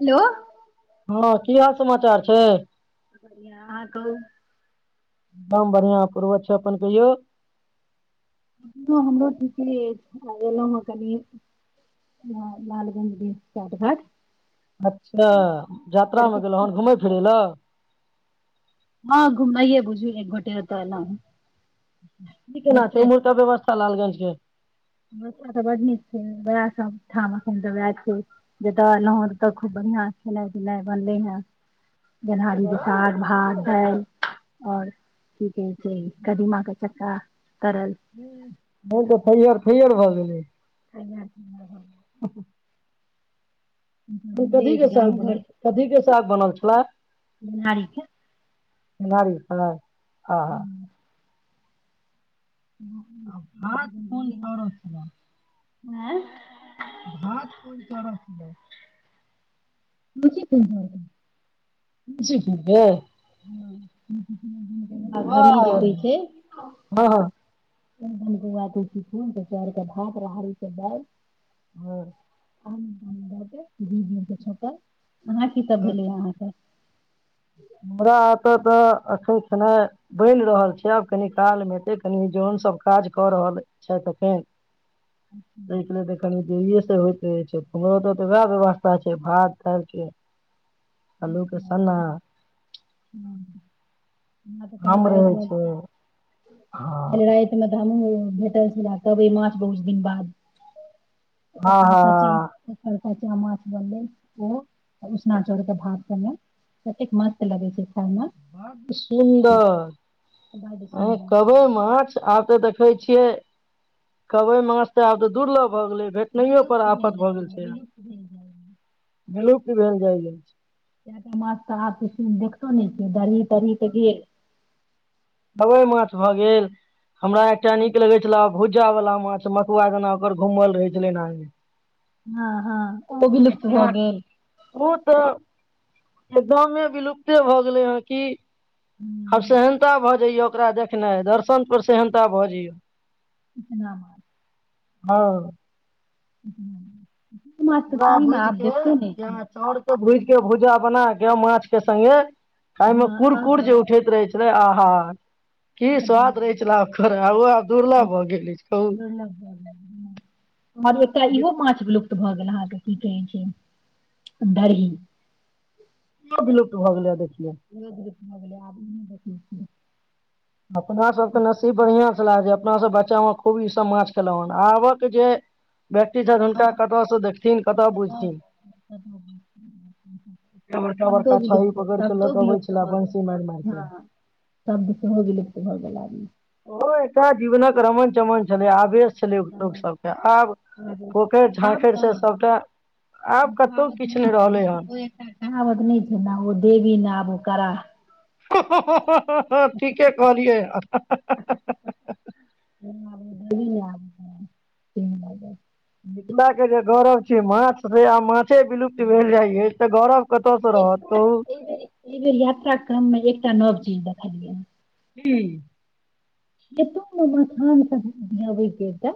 Hello. हँ की हाल समाचार छै। बढ़िआ, आहाँ कहू। एकदम बढ़िआँ पूर्वत छै, अपन कहियौ। हमरो ठीके अति, एलहुँ हेँ कनि लालगंज भ पैटघाट। अच्छा यात्रा में, गेलहु छी हेन घुमय फिरय लए हँ घुमाइए बुझू, एक गोटे अत ऐलौं। की केना छै, ओमहरुका व्यवस्था लालगंज। ज। बच्चा तऽ बड्ड नीक छै, उएह सभ ठाम एखन तऽ उएह छै, जतय एयलहुँ हेँ ततय खूब बढ़िआँ खेनाय- पिनाइ बनलै हेँ। गेनाहरिे साग-भात दाइल। आओर की कहै छै, कदीमा क चक्का। तरल नहि तऽ थैयर-थैयर भ हू। ह। कथी के साने कथी के चाक बनल छल गेनाहरीके। गेनाहरी साग। आहा। के आ भात कोन पड़ छ। हँ [inaudible] भात कोन चड़ छ मुी कह पूब हँ [inaudible] आ घड़ी जे वाह होइ छै। हँ हँ एक गौआ तुलसी फन चर क भात रड़ी बालि। आर। आ भ त छप अहाँ की सब हँ, भेलियै अहाँके। हमरा एतय तऽ एखन खना बनि रहल छै आब कनि कालमे एेतै कनि जनसभ काज कऽ रहल छथि एखन। त देख जे से हो। से छै हमरो तऽ तऽ वएह व्यवस्था छै भात दालके। हलूकेसन ह मत काल आम रहै रत मत छै हँ कालइत मत हम भेटल छल तब मछ बहुस दिन बाद आहा ओकरता च ओ कर च माछ बनले ओ उसना चाउर के भाग केने कतेक मस्त लगै छै। बड सुन्दर बड्ड अ सुन्दर कभै मछ आब त ठै छियै कहबै माछ तऽ आब तऽ दूर लग भे विलुप्त भेल आफत जाय भऽ गेल रहै छै। विलुप्त भेल जाय रहै भेल जाइ गेल इ त मस तऽ आब देखतो ने दरही तरह त गेल दबइ माछ भऽ गेल हमरा एकटा नीक लगैत छल बहुत पूजा वालला माछ मथुआ जेना ओकर घुमल रहै छलै हँ हँ। ओ विलुप्त पछीला भऽ गेल आर ओ तऽ एकदमे विलुप्ते भऽ गेलै हन की आब हूँ सेहनता भरि जइय ओकरा देखनाइ दर्शन पर सेहनता भऽ जाइ या इतनाब हँ। ह। चुड़ा भूजिके छी जेना चाउरके भूजि जे भुजा बनाके मांछके सङ्गे खाइमे हँ कुड़- कुुड़ आहा जे उठैत रहै छै रे आहा की बड्ड स्वाद रहै नीक छलाह ओकर आ-ओ आब दुर्लभ भऽ लगै गेल अछि कहु दुर्लभ भऽ गेल हँ आओर एकटा इहो माछ विलुप्त भऽ गेल अहाँके की कहै छै दरही इहो विलुप्त भऽ गेलै या [unintelligible] आब इ नै देखै छियै अपना सबके नसीब बढ़ियाँ छलाह जे अपना सब बच्चामे खूब ई सब माँछ खेलोंहूँ हन आबक जे व्यक्ति छथि हुनका कतऽ से देखथिन कतऽ बुझथिन एते बड़का शब्द बड़का छही विलुप्त पकड़ के लऽ शब्दो के अबै विलुप्त छले भऽ बंसी मारि मारि गेल के हँ शब्द सेहो विलुप्त तोहरवला ओहो एकटा जीवनक रमन चमन छलै आ बेस- पोखरि आब झाँखरि से कहाँ सबटा आब कतौ कहावत किछु नहि छै रहलै नै हन ओ एकटा कहावत नहि छै ने ओ देवी ने आब कराहऽ हें- हें- हह हाँ-हाँ-हँ ठीके कहलियै हँ हहह [unintelligible] तीन बजे मिथिलाके जे गौरव छै माँछ से आब माँछ छै से विलुप्त भेल जाइ छै तऽ गौरव कतऽस रहत कहू एहि बेर एहि बेर यात्रा क्रम मे एकटा नव चीज देखलियै की खेतोमे मखान सब उपजाबैके एकटा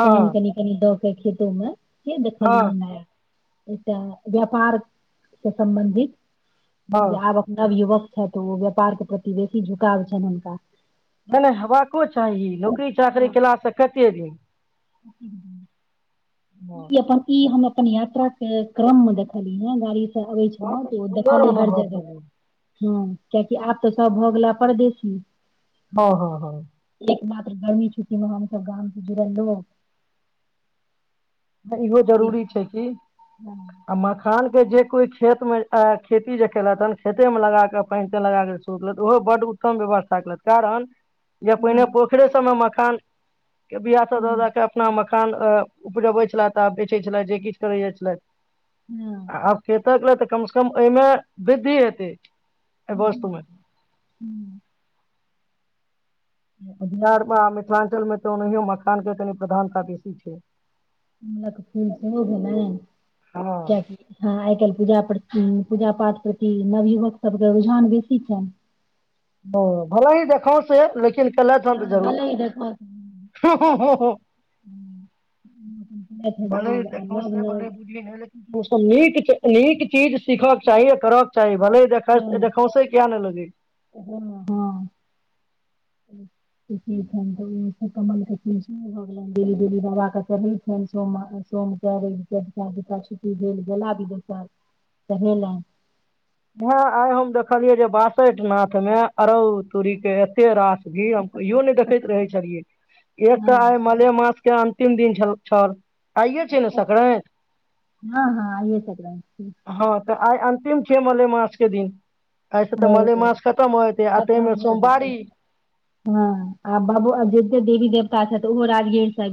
हँ पइन केनी केनी दऽ देखियै तूमे नहि हँ देखलियै आय एकटा व्यापार स सम्बन्धित हँ जे आबक नवयुवक छथितऽ ओ व्यापार के प्रति बेसी झुकाव छनि हुनका नहि नहि हेबाको चाही नौकरी चाकरी कएलासँ कतेक दिन कती हँ क ई अपन ई हम अपन यात्रा क्रममे देखली ह गाड़ी तऽ अबै छलहूँ बड्ड तऽओ सुन्दर देखलियै हर अनुभव जगह भेलै हाँ कियकि आब तऽ सब भऽ गेला परदेशी हँ हँ हँ एकमात्र गर्मी छुट्टी मे हमस गाम से जुड़ल रहो नहि इहो जरूरी छै किी आ मखान के जे कोइ खेतमे खेती जे केलथि हेन खेते मे लगा कऽ पान ते लगााक शुरू केल ओहो बड्ड उत्तम व्यवस्था केलथि कारण जे पहिने हँ पोखरिे समय म तन के बिी आ स हँ द के अपना म प तऽब बेै छलै जे किछु करै जाइ छलै हँ तकले तऽ कम से कम ओहिमे वृद्धि हेतै एहि वस्तु मे बी ल ह बिहारमे मिथिलाञ्चलमे तऽ ओनाहिो मखान के कनि प्रधानता बेसी छै अ ल क फूल त हो गेल हँ क हँ आइ काल् पूजा ह पूजा पाठ प्रति नवयुवक सभके रुझान बेसी छनि ओ भला ही देखाव से लेकिन कल त हँ त भलै देखब जरूर पंचायत है भने जरूर आ देख नव छल भन नव बुझली नहि ओसभ नीक नीक चीज सीखक चाही आ करक चाही भले देख हँ देखा से किया नहि लगे हँ हँ छनि तऽ ओसँ कमलके च भऽ गेलनि ब देली बाेँ चढ़ै छनि सोम सोमके अव चका जूा छुट्टी भेल गेला विदोसर चढ़ेलनि ह आइ हम देखलियै जे बासठि नाथ मे अड़हु तूड़ी के एते रास भी हम कहियो नहि देखैत रहै छलियै एक तऽ आइ हँ मलेमास के अंतिम दिन छल छल आइए छै ने संकरााति हँ हँ आइए संक्रान्ति छी हँ तऽ आइ अन्तिम आजके दिन ऐसे तऽ ओ मलय मास खतम होयत आ ताहिमे खतम हो सोमवारी हँ आ बाबू अयोध्या देवी दे ओहो राजगीर सा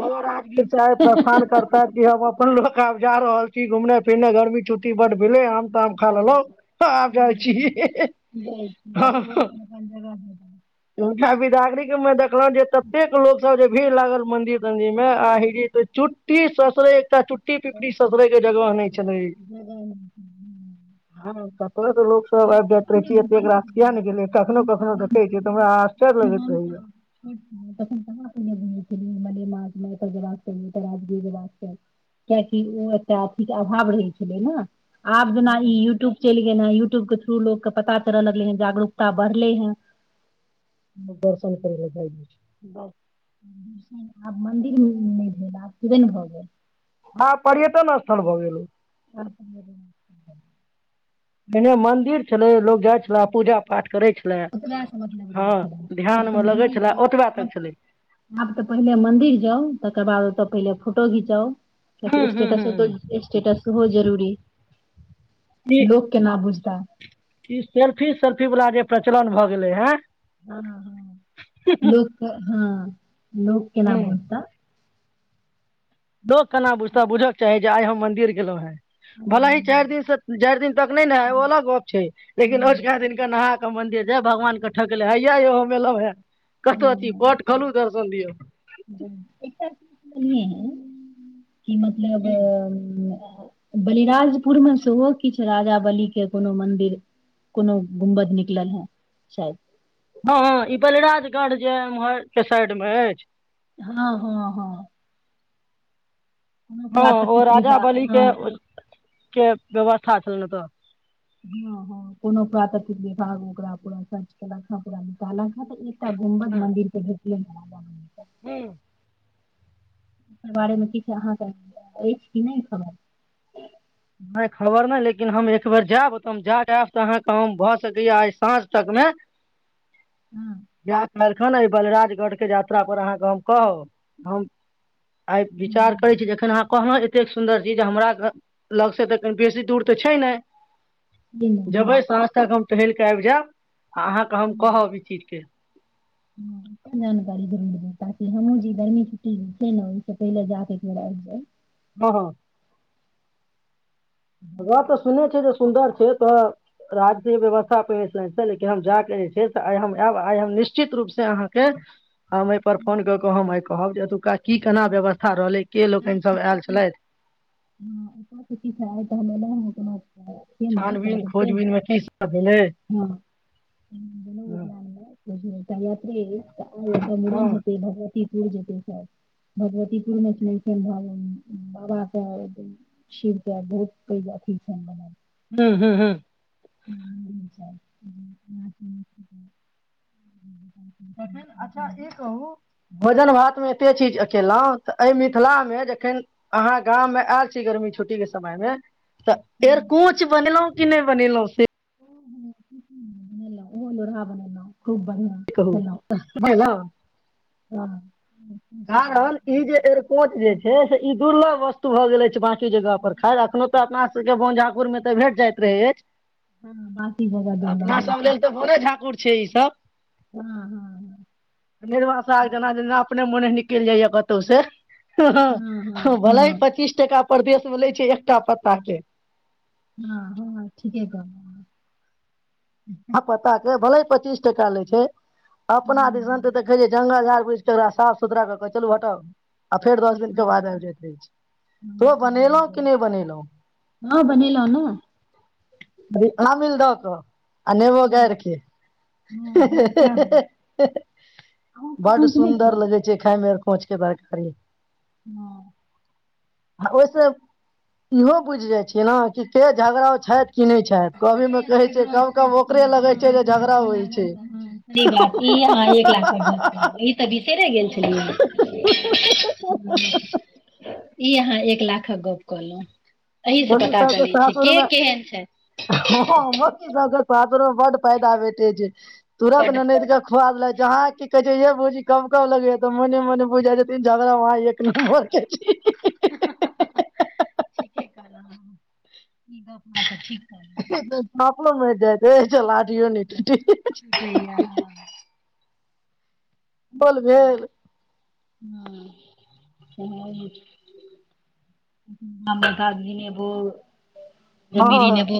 आीर चाहे प्रसान करताै कि ह कोनो लोक के आब जा रहल छै घुमना फिरना घरमे छुटी ब आ ताम खा बड्ड ल ल भेलै आ हँ छी जाइ छी आब ओहो अपन अपन जगह आ बिदाग्रिक म द देख जे ततेक लोकसभ जे भी लागल मंन्दिर तंन्दिर मे आहि चुट्टी ससरे एकटा चुट्टी पुटी पिपी ससुरे के जगह नहि छलै जगह जगह ह कखनो ते लोक सब कहाँ आबि जाइत रहे पहिले छै एते रास किया ने गेले कखनो कखनो देखे छियै तऽ हमरा आश्चर्य लगैत हम रहैया छट तन कह अप घुमै मले नहिर जबाक च तऽ राजगीय जबाक च कियकि ओ एकटा अथीके अभाव रहै छलै ने आब जेना ई हँ यूट्यूब चल य यट्यूब के थ्रू लोक के पता चलऽ लगले है जागरूकता बढ़ले है दर्शन कर ल जाइ बस आब मन्दिरमे नहि भेल आब किबे ने भऽ गेल हँ पर्यटन स्थल भगलु आ एने मंदिर छलै लोग जाइ छले पूजा पाठ करै छले ओास मतलब रहै हँ छल आब ध्यान तऽ मे लगै मन्दिर छले ओतबे जा तक छलै आब तऽ पहिले मन्दिर जाउ तकर बाद त पे फोटो घिचा हूँ ताकि हूँ स्टेटस तऽ हूँ स्टेटस हो जरूरी ई लोक केना बुझ तऽ ई सेल्फी सेल्फी वला जे प्रचलन भए गेलै हे हँ हँ लोक हँ लोकग केना बुत लोको केना बुझता बुझयक चाही जे आइ हम मदिर गेलहुँ हं भला ह चारि दिन से चारि दिन तक नहि ने ह ओ अलग गप छै लेकिन हँ अजुका दिन के नहा मंदिर हय भगवान के ठकले हया य मेल है कतथ एलहुँ पोट खोलू त ी य नी की मतलब अ-ए बलिराजपुरमे सेहो किछु राजा बलीेके कोनो मन्दिर कोनो गुमबद निकलल हन शायद हँ ई पहिले राजगाट जे हो साइड मे हाँ हाँ हाँ हाँ ओ राजा विभाग बली के हँ के व्यव- -स्था चल तऽ हाँ हाँ कोनो पुरातत्व विभाग ओकरा पूरा सर्च केलक हन पुरा नीकालल हँ तऽ ई ता गुमबद मन्दिर के जे [unintelligible] हूँ ओकर बारेमे किछ अहाँके अछि कि नहि खबर नहि खबर नहि लेकिन हम एक बेर जाएब तऽ जा कऽ आएब तऽ अहाँके हम भऽ सकैया आइ साँझ तकमे हूँ या काल्हिखन ई बलराजगढ़के यात्रा पर अहाँके हम कहब हम आइ विचार करैत हँ छी जे जखन अहाँ कहलौं एत - एतेक सुन्दर चीज हमरा घर लगसँ तऽ कनि बेसी दूर तऽ छै ने से नहि जबै हँ साँझ तक हम टहैल कऽ आबि जाएब आ अहाँकेँ हम कहब ई चीजके हूँ जानकारी धरूड़ ताकि हमहूँ जे ई गरमी छुट्टी छै ने ओहिसँ पहिल जाकऽ एक बेर आबि जाइ हाँ जगह तऽ सुनने छियै जे सुन्दर छै से तऽ राजके व्यवस्था लेकिन हम जाके जे छै से आइ हम आएब आइ हम निश्चित रूप से अहाँके हम एहि पर फोन कऽ कऽ हम एहि कहबजे एतुका की केना व्यवस्था रहलै [unintelligible] [unintelligible] [unintelligible] [unintelligible] के लोकनि सब आयल छलथि छानबीन खोजबीन मे की सब भेलै हँ तऽ आइ एतऽ मूड़न हेतै भगवत- भगवतीपुर जेतै सब भगवतीपुरमे छै बाबाके शिवके बहुत पैघ अथि छन मने हूँ हूँ हूँ हूँ तहन अच्छा ई कहू भोजन भातमे कते चीज केलहुँ तऽ एहि मिथिलामे जखैन अहाँ गाममे आएल छी गर्मी छुट्टीके समयमे तऽ अरकोंच बनेलहूँ की नै बनेलौं से बनेलहुँं ओहो लोरहा बनेलहुँ खूब बढ़िआँ की कहू हँ [unintelligible] हाँ हे-ह ई दुर्लभ वस्तु भऽ गेले छै वां- जगह पर खाएर एखनो तऽ अपना सबके बोन- पुरमे तऽ भेट जाइत रहै अछि हाँ बाँकी जगा जोड़बाक अपना लागै सब छै लेल तऽ बने झाकुर छै ई हँ हँ सब निरवा साग जेना जेना अपने मोने नीक कैल जाइया कतहु से हँ हँ हँ-हाँ हँ भलेहिं हँ पच्चीस टका परदेशमे लै छै एकटा पत्ताकके हाँ हाँ ठीके कहलहूँ हाँ पताके भले पच्चीस टका लै छै अपना दिसनतऽ हँ देखै छियै जंगल झाड़ पोइछ कऽ एकरा साफ सुथरा कऽ कऽ चलू हटाउ आ फेर दस दिन के हँ बाद आबि जाइत रहै छै यौ बनेलहुँ की नहि बनेलहुँ हँ बनेलौं ने आमिल दऽ कऽ आ नेबो हँ गारिके हँ हँ सैह बन हँ-हँ-हह-हँ अहुं बड्ड खेलौं कि नै खेलौं सुन्दर लगै छै खाईमे पहुँचके बात करियौ हाँ आ ओहिसँ इहो बुझि जाइ छियै नऽ की के झगड़ाउ छथि कि नहि छथि कभी मे कहै छै कब कब ओकरे लगै छै जे झगड़ा होइ छै ठीक बात ई अहाँ एक लाखके गप्प कहलहूँ ई तऽ बिसैरे गेल [unintelligible] ई अहाँ एक लाखक गप कहलहूँ अही सऽ पता चलै छै के केहन छै हाँ [unintelligible] सासुरमे बड्ड फायदा भेटै छै तुरत बड ननदके खुआ देलक जहाँ की कहै येए भौजी कब कब लगै या तऽ मने मने बुझिजाइ छथिन झगड़ाउ अहाँ एक नम्बरके छी ठीके कहलहूँ ई गप अहाँ तऽ ठीक कहलहूँ साँपो [unintelligible] भ हाँ बोल भेल [unintelligible] जमीरी हँ नेबो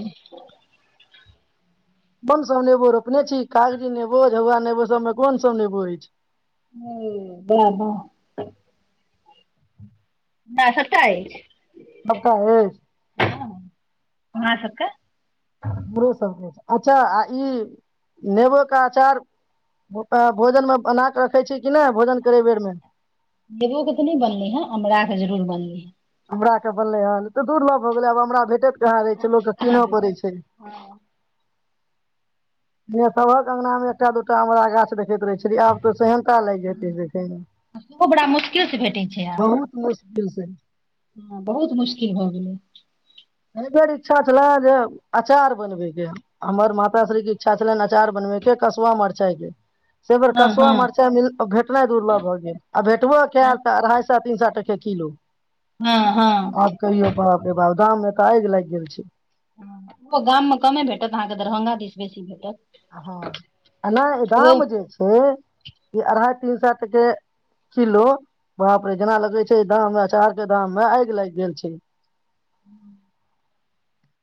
कोन सभ नेबो रोपने छी कागजी नेबो झौआ नेबो सभमे कोनसभ नेबो अछि ह ब त सबटा अछि सबटा अछि आहांँ सबके हमरोसभ अच्छा आ ई नेबोके अचार भोजनमे बना कऽ रखैत छी कि नहि भोजन करय बेरमे नेबो के तऽ नहि बनली है अमरा के जरूर बनली है अमरा के बनलै हनऽ दुर् लभ हो गेलै आब हमरा भेटेत इ रहै छै लोक के कहाँ कीनऽ पड़ै भेटै छै किया सभहक अंँगना मे एकटा दूटा अमरा गाछ देखैत रहै छै बड़ा मुशकिल से भेटै छै आब बहुत मुश्किल से ह बहुत मुश्किल भऽ गेलै एहि बेर इच्छा छले जे अचार बनबैके ह हमर माता श्री के इच्छा छलनि अचार बनबै के कसुआ मरचाइके से एय बेर हँ कसुआ हँ मरचा मिल भेटनाइ दु उर्लभ भऽ गेल आ भेटबो कयल हँ तऽ अढ़ाई सए तीन सए टा किलो हँ हँ आ कहियो बाप रे बाप दाम मे आइग लाग गेल छी ह ओ गाममे कमे भेटत अहाँकेँ दरभंगा दिस बेसी भेटत हँ एना ओ गाम जे छै ई अढ़इ तीन सात टके किलो बाप रे जेना लगे छै गाम मे अचार के दाम मे आगि लागि गेल छै ह